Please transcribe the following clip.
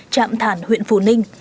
trạm thản huyện phù ninh